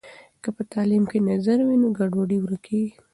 که په تعلیم کې نظم وي نو ګډوډي ورکیږي.